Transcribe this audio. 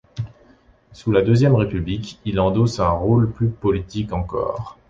Sous la Deuxième République, il endosse un rôle plus politique encore.